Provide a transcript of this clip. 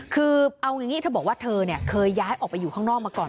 คือเอาอย่างนี้เธอบอกว่าเธอเคยย้ายออกไปอยู่ข้างนอกมาก่อน